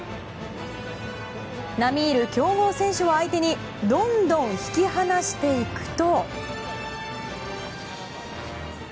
並みいる強豪選手を相手にどんどん引き離していくと。